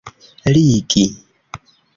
ligi